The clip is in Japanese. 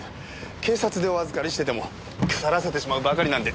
警察でお預かりしてても腐らせてしまうばかりなんで。